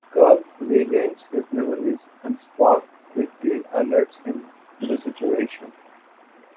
Kirk regains his memories and Spock quickly alerts him to the situation.